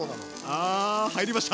あ入りました。